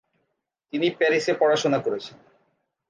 তিনি প্যারিসে পড়াশোনা করেছেন।